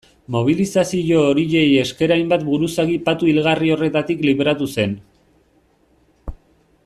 Mobilizazio horiei esker hainbat buruzagi patu hilgarri horretatik libratu zen.